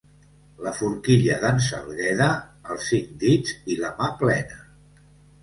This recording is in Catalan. La forquilla d'en Salgueda: els cinc dits i la mà plena.